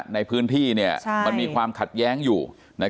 ในพื้นที่มันมีความขัดแย้งอยู่